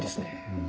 うん。